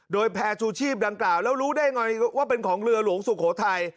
โดยแพร่ชูชีพดังกล่าวแล้วรู้ได้ไงว่าเป็นของเรือหลวงสุโขทัย